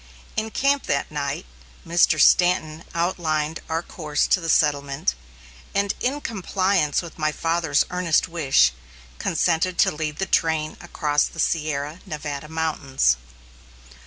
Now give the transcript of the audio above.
In camp that night, Mr. Stanton outlined our course to the settlement, and in compliance with my father's earnest wish, consented to lead the train across the Sierra Nevada Mountains.